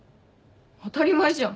当たり前じゃん。